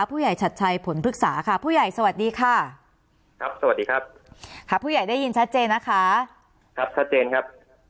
ฉัดชัยผลพฤกษาค่ะผู้ใหญ่สวัสดีค่ะครับสวัสดีครับค่ะผู้ใหญ่ได้ยินชัดเจนนะคะครับชัดเจนครับ